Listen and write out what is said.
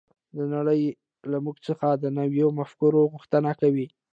دا نړۍ له موږ څخه د نویو مفکورو غوښتنه کوي